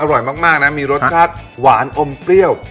อร่อยมากนะมีรสชาติหวานอมเปรี้ยว